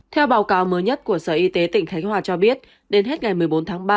theo báo cáo mới nhất của sở y tế tỉnh khánh hòa cho biết đến hết ngày một mươi bốn tháng ba